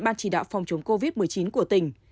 ban chỉ đạo phòng chống covid một mươi chín của tỉnh